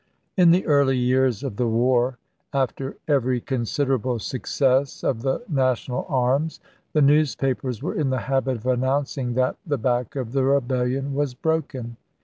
TN the early years of the war, after every con JL siderable success of the national arms, the newspapers were in the habit of announcing that "the back of the rebellion was broken."